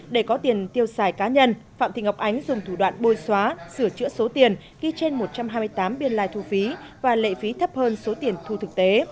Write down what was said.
để có tiền tiêu xài cá nhân phạm thị ngọc ánh dùng thủ đoạn bôi xóa sửa chữa số tiền ghi trên một trăm hai mươi tám biên lai thu phí và lệ phí thấp hơn số tiền thu thực tế